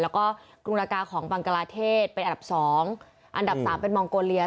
แล้วก็กรุงรากาของบังกลาเทศเป็นอันดับ๒อันดับ๓เป็นมองโกเลีย